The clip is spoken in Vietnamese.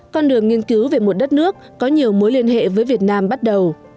con đường nghiên cứu về một đất nước có nhiều mối liên hệ với việt nam bắt đầu